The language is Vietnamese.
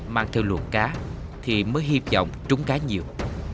mang theo luồng cá thì mới hi vọng trúng cá nhiều